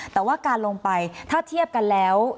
แต่ว่าการลงไปถ้าเทียบกันแล้ว